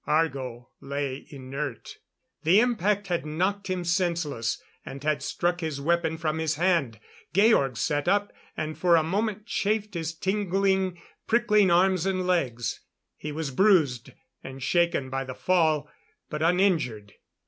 Argo lay inert. The impact had knocked him senseless, and had struck his weapon from his hand. Georg sat up, and for a moment chafed his tingling, prickling arms and legs. He was bruised and shaken by the fall, but uninjured.